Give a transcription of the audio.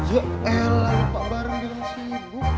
ya elah lupa bareng dengan sibuk